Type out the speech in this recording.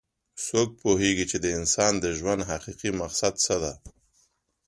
څوک پوهیږي چې د انسان د ژوند حقیقي مقصد څه ده